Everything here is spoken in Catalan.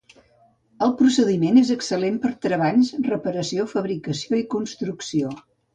El procediment és excel·lent per a treballs, reparació, fabricació i construcció.